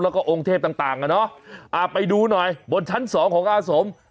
แล้วก็องค์เทพต่างอ่ะเนาะไปดูหน่อยบนชั้นสองของอาสม